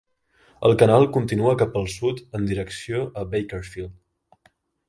El canal continua cap al sud en direcció a Bakersfield.